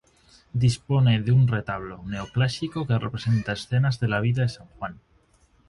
Dispone de un retablo Neoclásico que representa escenas de la vida de San Juan.